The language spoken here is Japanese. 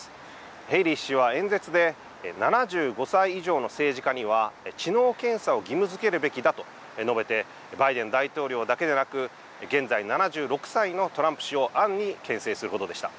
ヘイリー氏は演説で７５歳以上の政治家には知能検査を義務づけるべきだと述べてバイデン大統領だけではなく現在７６歳のトランプ氏を暗にけん制することでした。